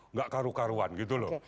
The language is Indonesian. nggak karu karuan gitu loh